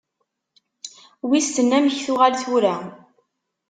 Wissen amek tuɣal tura.